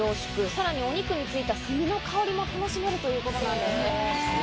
さらにお肉についた炭の香りも楽しめるということなんですね。